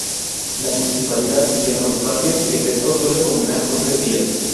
La municipalidad de Monte Patria decretó duelo comunal por tres días.